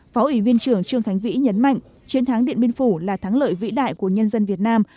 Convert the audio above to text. phó ủy viên trưởng trương thánh vĩ nhấn mạnh chiến thắng điện biên phủ là thắng lợi vĩ đại của nhân dân việt nam